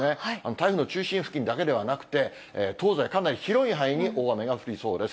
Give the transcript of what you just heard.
台風の中心付近だけではなくて、東西かなり広い範囲に大雨が降りそうです。